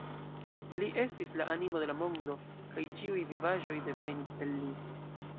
Li estis la animo de la mondo, kaj ĉiuj vivaĵoj devenis el li.